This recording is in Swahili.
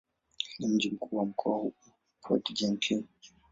Mji mkuu wa mkoa huu ni Port-Gentil.